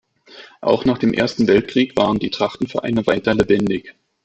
Auch nach dem Ersten Weltkrieg waren die Trachtenvereine weiter lebendig.